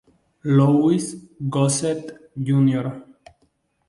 Louis Gossett, Jr.